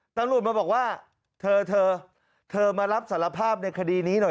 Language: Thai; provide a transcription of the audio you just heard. ตำรวจมาบอกว่าเธอเธอมารับสารภาพในคดีนี้หน่อย